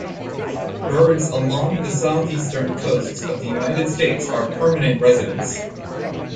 Birds along the southeastern coasts of the United States are permanent residents.